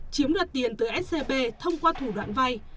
chiếm đoạt tiền từ scb thông qua thủ đoạn vay